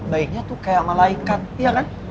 baiknya tuh kayak malaikat ya kan